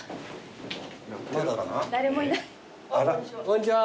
こんにちは。